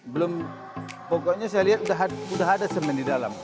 belum pokoknya saya lihat sudah ada semen di dalam